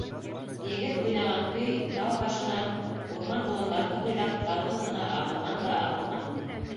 Егет уйнаған көй тау башынан, урман-болондарҙы буйлап талғын ғына ағылған да ағылған.